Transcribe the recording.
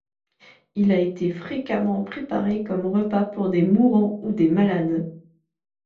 Il a été fréquemment préparé comme repas pour des mourants ou des malades.